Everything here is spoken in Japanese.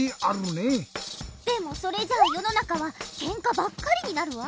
でもそれじゃあよのなかはケンカばっかりになるわ。